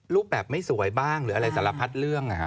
รูปแบบไม่สวยบ้าง